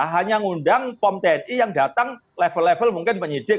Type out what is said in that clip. hanya ngundang pom tni yang datang level level mungkin penyidik